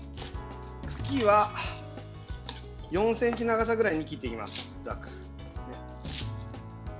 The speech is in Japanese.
茎は４ｃｍ長さぐらいに切っていきます。